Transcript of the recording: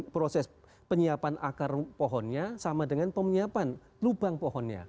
proses penyiapan akar pohonnya sama dengan penyiapan lubang pohonnya